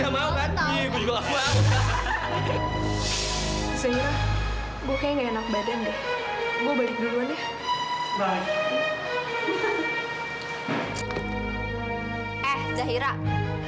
apa sih bobonon zari dengan masalah ini